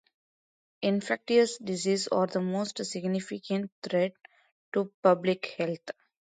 Infectious diseases are the most significant threat to public health.